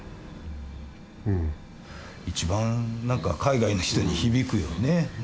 一番何か海外の人に響くよね。